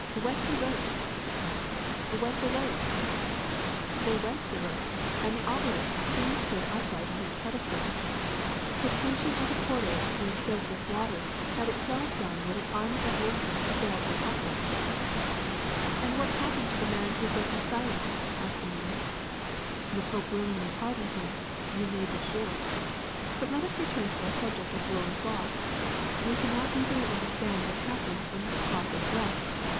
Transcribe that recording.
*Wet the ropes!' he cried. ^Wet the ropes!' They wet the ropes and the obelisk soon stood upright on its pedestal. The tension of the cordage when soaked with water had of itself done what an army of workmen had failed to accomplish." *^And what happened to the man who broke the silence?" asked Emile. ^*The pope willingly pardoned him, you may be sure. But let us return to our subject of woolen cloth. You can now easily understand what happens when this cloth is wet.